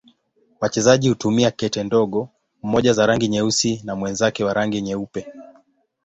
Wachezaji hutumia kete ndogo, mmoja za rangi nyeusi na mwenzake za rangi nyeupe.